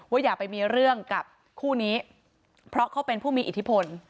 อย่าไปมีเรื่องกับคู่นี้เพราะเขาเป็นผู้มีอิทธิพล